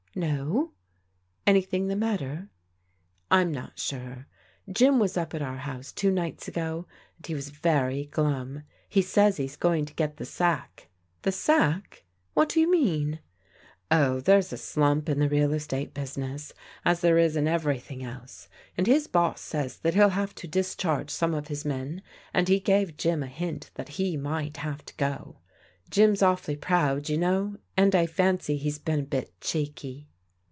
" No ? Anything the matter ?"" I'm not sure. Jim was up at our house two nights ago, and he was very glum. He says he's going to get the sack." " The sack ! What do you mean ?"" Oh, there's a slump in the real estate business, as there is in everything else, and his boss says that he'll have to discharge some of his men, and he gave Jim a hint that he might have to go. Jim's awfully proud, you know, and I fancy he's been a bit cheeky."